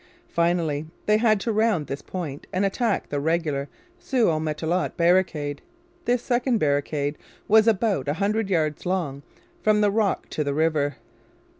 Finally, they had to round this point and attack the regular Sault au Matelot barricade. This second barricade was about a hundred yards long, from the rock to the river.